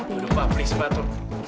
aduh pak please batuk